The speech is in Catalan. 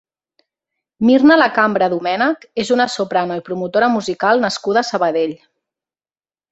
Mirna Lacambra Domènech és una soprano i promotora musical nascuda a Sabadell.